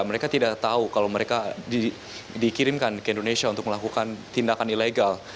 mereka tidak tahu kalau mereka dikirimkan ke indonesia untuk melakukan tindakan ilegal